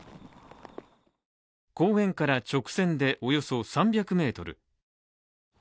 公園から直線でおよそ３００ｍ。